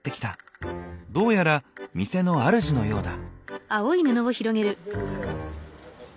どうやら店のあるじのようだ。